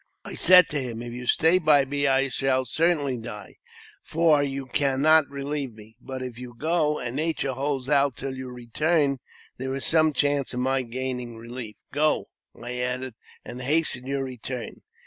I said to him, " If you stay by me I shall certainly die, for you cannot relieve me ; but if you go and nature holds out till you return, their is some chance of my gaining relief. Go," I added, " and hasten your return."